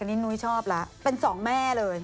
นี่นุ้ยชอบแล้วเป็นสองแม่เลย